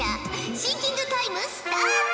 シンキングタイムスタート！